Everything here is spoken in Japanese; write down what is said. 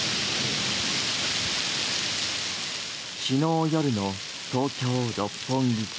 昨日夜の東京・六本木。